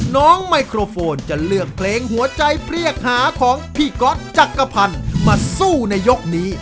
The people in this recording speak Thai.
ไมโครโฟนจะเลือกเพลงหัวใจเปรี้ยกหาของพี่ก๊อตจักรพันธ์มาสู้ในยกนี้